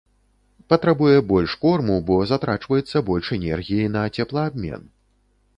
Патрабуе больш корму, бо затрачваецца больш энергіі на цеплаабмен.